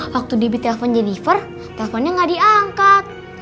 waktu dibit telpon jennifer telponnya gak diangkat